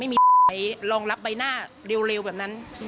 ไม่มีให้รองรับใบหน้าเร็วแบบนั้น